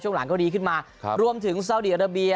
หลังก็ดีขึ้นมารวมถึงซาวดีอาราเบีย